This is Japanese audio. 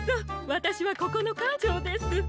わたしはここのかんちょうです。